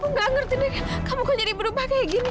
gue gak ngerti nih kamu kok jadi berubah kayak gini